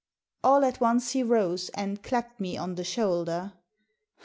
All at once he rose and clapped me on the shoulder.